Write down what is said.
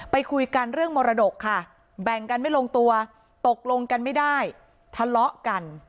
ไปคุยกันเรื่องมรดกค่ะแบ่งกันไม่ลงตัวตกลงกันไม่ได้ทะเลาะกัน